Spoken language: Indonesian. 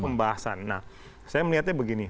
nah saya melihatnya begini